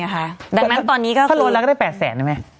ถ้าลวนแล้วก็ได้๘แสนอักไหม